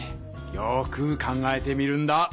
よく考えてみるんだ！